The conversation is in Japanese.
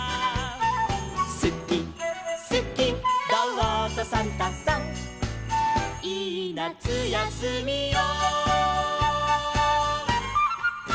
「すきすきどうぞサンタさん」「いいなつやすみを」